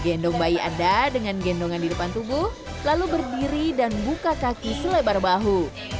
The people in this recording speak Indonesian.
gendong bayi anda dengan gendongan di depan tubuh lalu berdiri dan buka kaki selebar bahu